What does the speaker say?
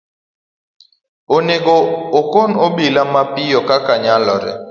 Onego okon obila mapiyo kaka nyalore.